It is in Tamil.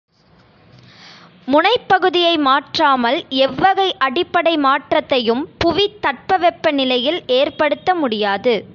முனைப் பகுதியை மாற்றாமல், எவ்வகை அடிப்படை மாற்றத்தையும் புவித் தட்ப வெப்ப நிலையில் ஏற்படுத்த முடியாது.